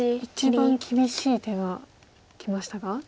一番厳しい手がきましたが。